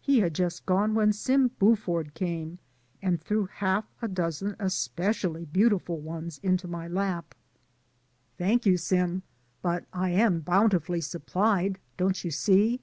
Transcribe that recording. He had just gone, when Sim Buford came and threw half a dozen especially beautiful ones into my lap. "Thank you, Sim, but I am bountifully supplied, don't you see?"